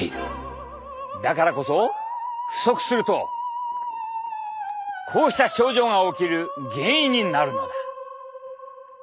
だからこそ！不足するとこうした症状が起きる原因になるのだ！